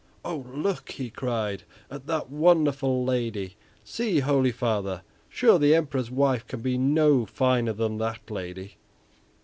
"Oh! look," he cried, "at that wonderful lady; see, holy father! sure the Emperor's wife can be no finer than that lady."